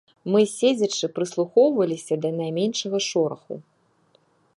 Мы седзячы прыслухоўваліся да найменшага шораху.